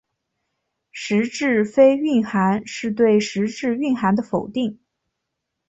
实质非蕴涵是对实质蕴涵的否定。